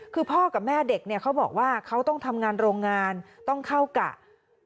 คือพ่อกับแม่เด็กเนี่ยเขาบอกว่าเขาต้องทำงานโรงงานต้องเข้ากะ